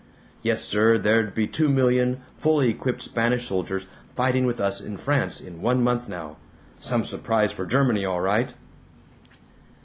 Yes, sir, there'd be two million fully equipped Spanish soldiers fighting with us in France in one month now. Some surprise for Germany, all right!